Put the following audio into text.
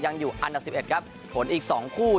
ยังอยู่อันดับ๑๑ครับผลอีก๒คู่